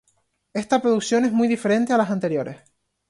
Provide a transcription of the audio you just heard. Esta producción es muy diferente a las anteriores.